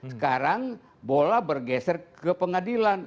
sekarang bola bergeser ke pengadilan